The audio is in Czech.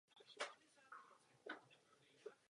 Mohla by být zvýšena frekvence i úroveň požadavků těchto testů.